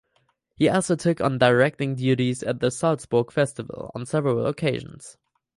He also took on directing duties at the Salzburg Festival on several occasions.